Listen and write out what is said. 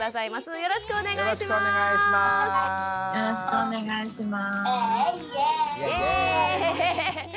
よろしくお願いします。